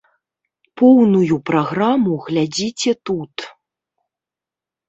Поўную праграму глядзіце тут.